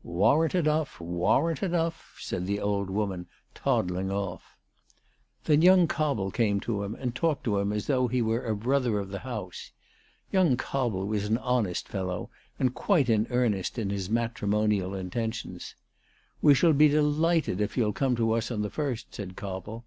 " Warrant enough ; warrant enough," said the old woman, toddling off. Then young Cobble came to him, and talked to him as though he were a brother of the house. Young Cobble was an honest fellow, and quite in earnest in his matrimonial intentions. " We shall be delighted if you'll come to us on the first," said Cobble.